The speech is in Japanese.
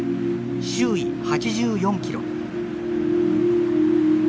周囲８４キロ。